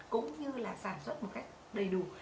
cũng như là sản xuất một cách đầy đủ